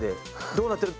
どうなってる？